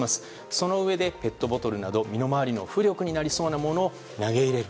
そのうえでペットボトルなど身の回りの浮力になりそうなものを投げ入れる。